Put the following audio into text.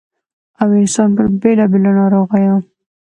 ٫ او انسـان پـر بېـلابېـلو نـاروغـيو